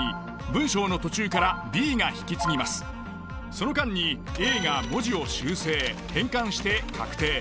その間にＡが文字を修正・変換して確定。